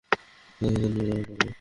তাদের সাথে নিয়ে নামায পড়ব।